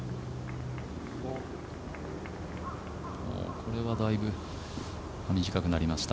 これはだいぶ短くなりました。